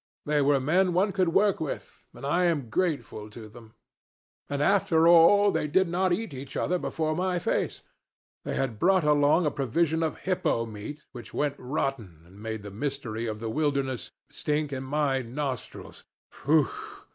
They were men one could work with, and I am grateful to them. And, after all, they did not eat each other before my face: they had brought along a provision of hippo meat which went rotten, and made the mystery of the wilderness stink in my nostrils.